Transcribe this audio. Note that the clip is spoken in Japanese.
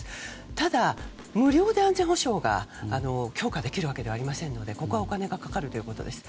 ただ無料で安全保障が強化できるわけではありませんのでここはお金がかかるということです。